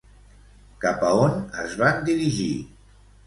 Cap a on es van dirigir?